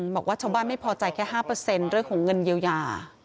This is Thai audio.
บอกว่าชาวบ้านไม่พอใจแค่๕เรื่องของเงินเยียวยา